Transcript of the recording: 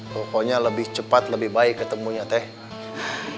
pokoknya lebih cepat lebih baik ketemunya teh